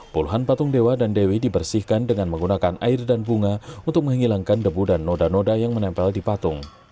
puluhan patung dewa dan dewi dibersihkan dengan menggunakan air dan bunga untuk menghilangkan debu dan noda noda yang menempel di patung